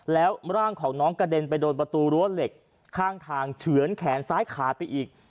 แล้วร่างของน้องกระเด็นไปโดนประตูรั้วเหล็กข้างทางเฉือนแขนซ้ายขาดไปอีก